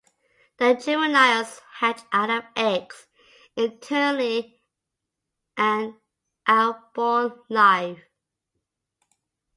The juveniles hatch out of eggs internally and are born live.